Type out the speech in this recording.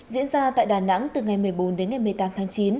diễn ra tại đà nẵng từ ngày một mươi bốn đến ngày một mươi tám tháng chín